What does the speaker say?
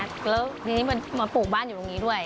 แล้วทีนี้มันปลูกบ้านอยู่ตรงนี้ด้วย